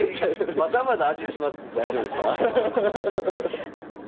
まだまだ味します。